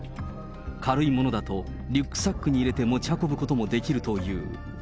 軽いものだと、リュックサックに入れて持ち運ぶこともできるという。